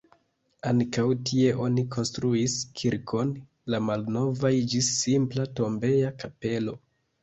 Ankaŭ tie oni konstruis kirkon, la malnova iĝis simpla tombeja kapelo.